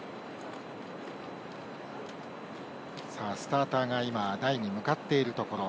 スターターが台に向かっているところ。